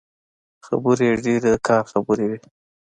خبرې يې ډېرې د کار خبرې وې.